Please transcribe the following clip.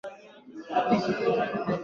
Hadi mwaka wa elfu mbili na nane